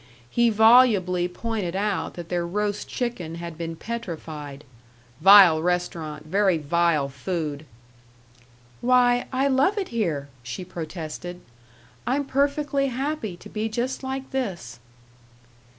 He volubly pointed out that their roast chicken had been petrified "vile restaurant, very vile food." "Why, I love it here!" she protested. "I'm perfectly happy to be just like this."